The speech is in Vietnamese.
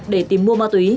để tìm mua ma túy